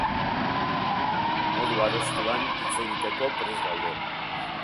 Modu adostuan hitz egiteko prest gaude.